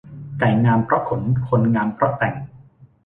ไก่งามเพราะขน คนงามเพราะแต่ง